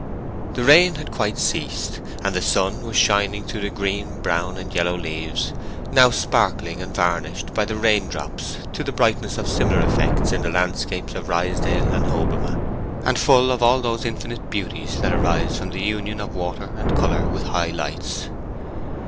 The rain had quite ceased, and the sun was shining through the green, brown, and yellow leaves, now sparkling and varnished by the raindrops to the brightness of similar effects in the landscapes of Ruysdael and Hobbema, and full of all those infinite beauties that arise from the union of water and colour with high lights.